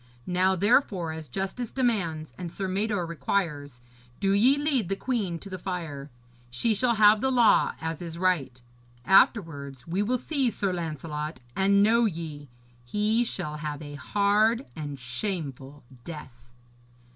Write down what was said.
Now, therefore, as justice demands, and Sir Mador requires, do ye lead the queen to the fire. She shall have the law as is right. Afterwards we will seize Sir Lancelot; and know ye, he shall have a hard and shameful death.'